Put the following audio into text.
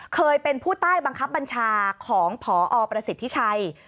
เคยเป็นผู้ใต้บังคับบัญชาของพอประสิทธิชัย